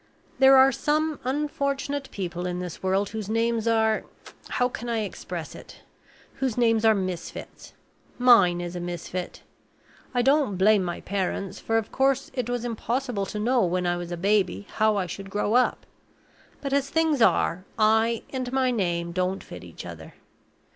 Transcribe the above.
"There are some unfortunate people in this world whose names are how can I express it? whose names are misfits. Mine is a misfit. I don't blame my parents, for of course it was impossible to know when I was a baby how I should grow up. But as things are, I and my name don't fit each other.